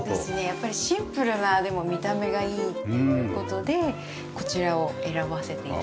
やっぱりシンプルな見た目がいいという事でこちらを選ばせて頂いて。